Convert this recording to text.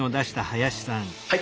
はい！